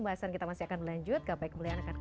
belum nanti soal hakikat ya